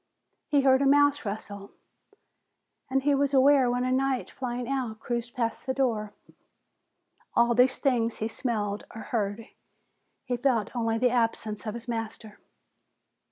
He heard a mouse rustle, and he was aware when a night flying owl cruised past the door. All these things he smelled or heard. He felt only the absence of his master.